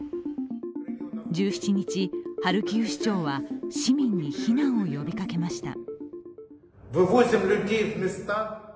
１７日、ハルキウ市長は市民に避難を呼びかけました。